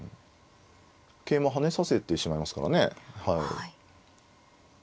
桂馬跳ねさせてしまいますからね。